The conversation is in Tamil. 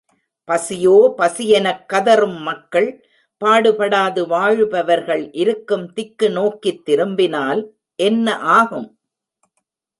பசியோ பசி எனக் கதறும் மக்கள், பாடுபடாது வாழுபவர் இருக்கும் திக்கு நோக்கித் திரும்பினால், என்ன ஆகும்?